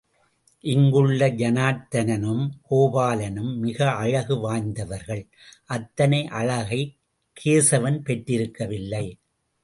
இங்குள்ள ஜனார்த்தனனும், கோபாலனும் மிக அழகு வாய்ந்தவர்கள், அத்தனை அழகை கேசவன் பெற்றிருக்கவில்லை.